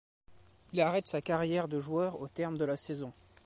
Il arrête sa carrière de joueur au terme de la saison.